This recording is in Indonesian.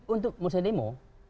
untuk mau saya demo